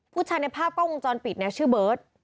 ผู้ชายในภาพกล้องวงจรปิดเนี่ยชื่อเบิร์ต